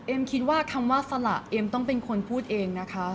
คิดว่าคำว่าสละเอ็มต้องเป็นคนพูดเองนะคะ